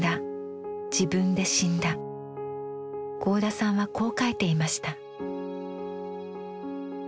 合田さんはこう描いていました。